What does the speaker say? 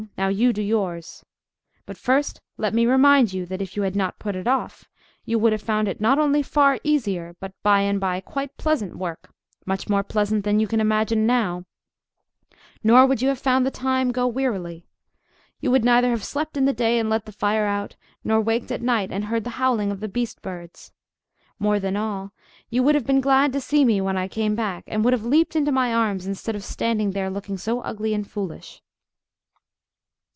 "Now you do yours. But first let me remind you that if you had not put it off, you would have found it not only far easier, but by and by quite pleasant work, much more pleasant than you can imagine now; nor would you have found the time go wearily: you would neither have slept in the day and let the fire out, nor waked at night and heard the howling of the beast birds. More than all, you would have been glad to see me when I came back; and would have leaped into my arms instead of standing there, looking so ugly and foolish."